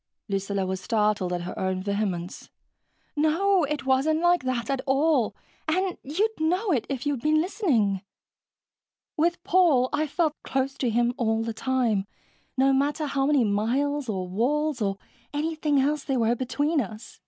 Lucilla was startled at her own vehemence. "No, it wasn't like that at all, and you'd know it, if you'd been listening. With Paul, I felt close to him all the time, no matter how many miles or walls or anything else there were between us.